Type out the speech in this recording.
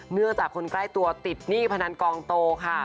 เนื่องจากคนใกล้ตัวติดหนี้พนันกองโตค่ะ